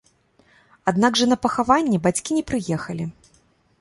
Аднак жа на пахаванне бацькі не прыехалі.